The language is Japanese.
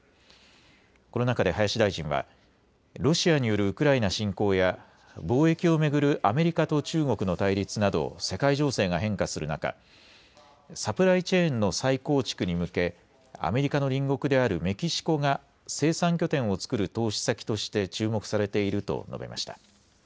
この中で林大臣はロシアによるウクライナ侵攻や貿易を巡るアメリカと中国の対立など世界情勢が変化する中、サプライチェーンの再構築に向けアメリカの隣国であるメキシコが生産拠点を作る投資先として注目されていると述べました。